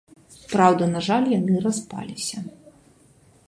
Праўда, на жаль, яны распаліся.